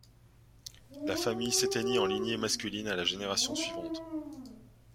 La famille s'éteignit en lignée masculine à la génération suivante.